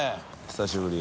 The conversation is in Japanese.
久しぶり。